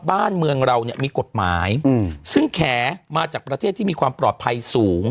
บ้านเมืองเราเนี่ยมีกฎหมายซึ่งแขมาจากประเทศที่มีความปลอดภัยสูง